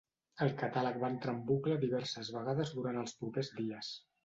El catàleg va entrar en bucle diverses vegades durant els propers dies.